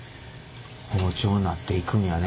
包丁なっていくんやね